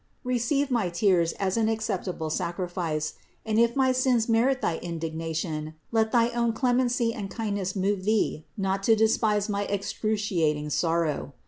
Receive my tears as an acceptable sacrifice; and if my sins merit thy indig nation, let thy own clemency and kindness move Thee not to despise my excruciating sorrow.